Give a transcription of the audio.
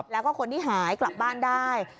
แล้วก็คนที่หายกลับบ้านได้